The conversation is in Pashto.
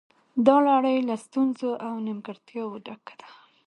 دا لړۍ له ستونزو او نیمګړتیاوو ډکه ده